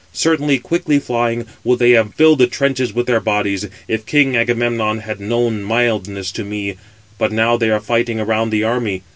Certainly, quickly flying, would they have filled the trenches with their bodies, if king Agamemnon had known mildness to me: but now they are fighting around the army.